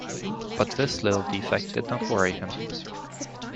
But this little defect did not worry him.